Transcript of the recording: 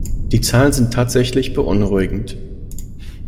Die Zahlen sind tatsächlich beunruhigend.